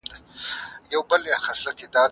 ایا تاسو د بې سیمه چارج کولو سیسټم څخه استفاده کوئ؟